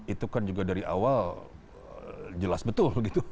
itu kan juga dari awal jelas betul gitu